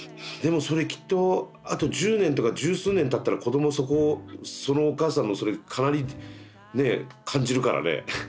でもそれきっとあと１０年とか十数年たったら子どもそこをそのお母さんのそれかなりね感じるからね。